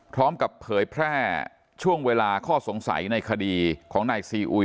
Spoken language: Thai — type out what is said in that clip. เผยแพร่ช่วงเวลาข้อสงสัยในคดีของนายซีอุย